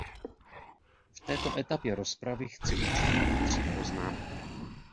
V této etapě rozpravy chci učinit tři poznámky.